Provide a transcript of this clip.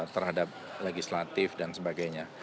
terhadap legislatif dan sebagainya